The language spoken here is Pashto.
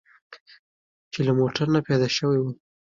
چې له موټر نه پیاده شوي وو.